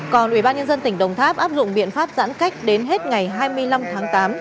còn ủy ban nhân dân tỉnh đồng tháp áp dụng biện pháp giãn cách đến hết ngày hai mươi năm tháng tám